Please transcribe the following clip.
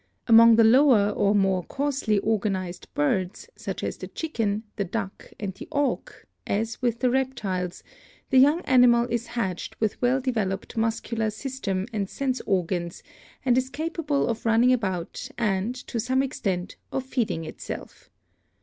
Among the lower or more coarsely organized birds, such as the chicken, the duck and the auk, as with the reptiles, the young animal is hatched with well developed muscular system and sense organs and is capable of running about and, to some extent, of feeding itself.